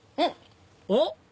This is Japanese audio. おっ？